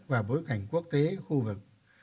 và bối cảnh quốc tế khu vực